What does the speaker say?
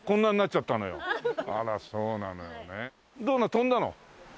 飛んだの？